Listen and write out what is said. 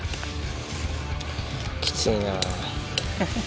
きついな。